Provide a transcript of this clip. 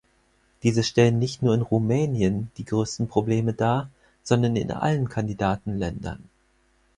Diese stellen nicht nur in Rumänien die größten Probleme dar, sondern in allen Kandidatenländern.